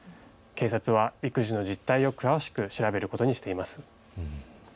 警察は育児の実態を詳しく調べることにしています。